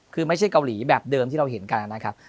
คือไม่ใช่เกาหลีแบบเดิมที่เราเห็นกันนะครับ